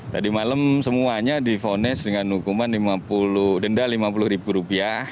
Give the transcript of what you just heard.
jadi malam semuanya di vones dengan hukuman denda lima puluh ribu rupiah